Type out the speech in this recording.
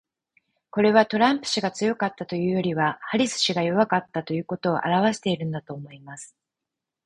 これは、トランプ氏が強かったというよりはハリス氏が弱かったということを表してるのだと思います。